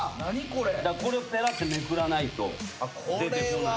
これをペラってめくらないと出てこない。